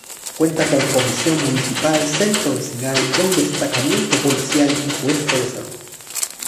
Cuenta con Comisión Municipal, centro vecinal, un destacamento policial y puesto de salud.